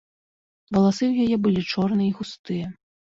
Валасы ў яе былі чорныя і густыя.